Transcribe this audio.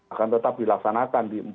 akan tetap dilaksanakan di